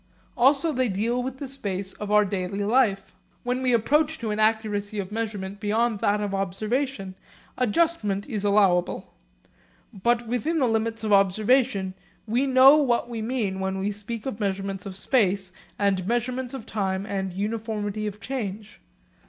Also they deal with the space of our daily life. When we approach to an accuracy of measurement beyond that of observation, adjustment is allowable. But within the limits of observation we know what we mean when we speak of measurements of space and measurements of time and uniformity of change.